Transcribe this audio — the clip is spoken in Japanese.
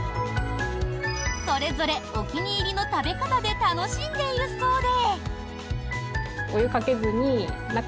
それぞれお気に入りの食べ方で楽しんでいるそうで。